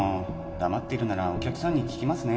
黙ってるならお客さんに聞きますね